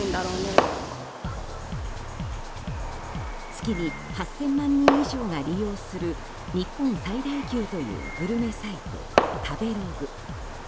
月に８０００万人以上が利用する、日本最大級というグルメサイト、食べログ。